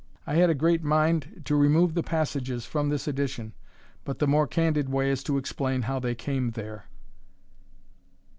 I had a great mind to remove the passages from this edition, but the more candid way is to explain how they came there.